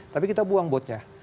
tapi kita buang botnya